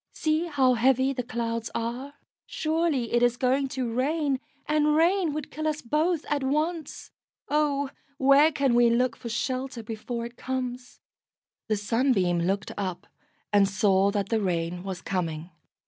See how heavy the clouds are! Surely it is going to rain, and rain would kill us both at once. Oh, where can we look for shelter before it comes?" The Sunbeam looked up, and saw that the rain was coming.